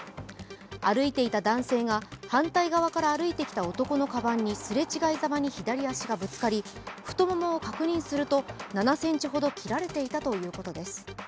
歩いていた男性が反対側から歩いてきた男のかばんに擦れ違いざまにかばんがぶつかり太ももを確認すると、７ｃｍほど切られていたということです。